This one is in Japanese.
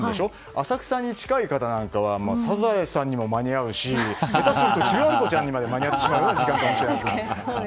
浅草に近い方なんかは「サザエさん」にも間に合うし下手すると「ちびまる子ちゃん」にも間に合ってしまう時間帯かもしれません。